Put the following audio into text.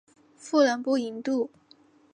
妇人不淫妒。